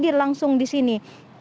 yang hadir langsung di sini